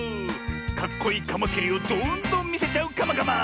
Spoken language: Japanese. かっこいいカマキリをどんどんみせちゃうカマカマ。